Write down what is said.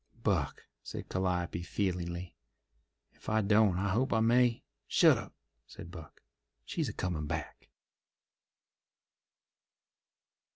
"Buck," said Calliope feelingly, "ef I don't I hope I may—" "Shut up," said Buck. "She's a comin' back."